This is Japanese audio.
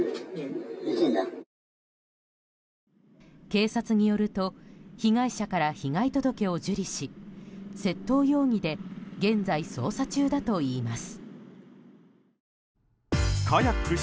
警察によると被害者から被害届を受理し窃盗容疑で現在、捜査中だといいます。